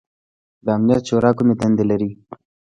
د امنیت شورا کومې دندې لري؟